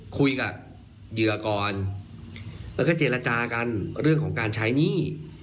คุยกับเหยื่อก่อนแล้วก็เจรจากันเรื่องของการใช้หนี้